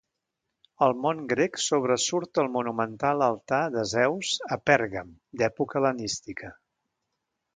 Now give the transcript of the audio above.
Al món grec sobresurt el monumental Altar de Zeus a Pèrgam, d'època hel·lenística.